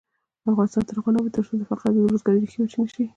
افغانستان تر هغو نه ابادیږي، ترڅو د فقر او بې روزګارۍ ریښې وچې نشي.